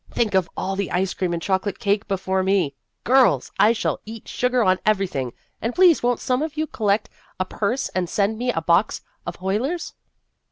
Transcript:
Think of all the ice cream and chocolate cake before me ! Girls ! I shall eat sugar on everything. For the Honor of the Class 159 And please won't some of you collect a purse, and send me a box of Huyler's?"